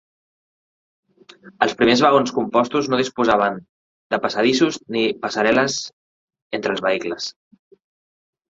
Els primers vagons compostos no disposaven de passadissos ni passarel·les entre els vehicles.